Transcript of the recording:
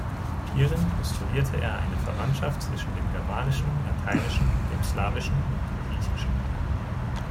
Hierin postulierte er eine Verwandtschaft zwischen dem Germanischen, Lateinischen, dem Slawischen und dem Griechischen.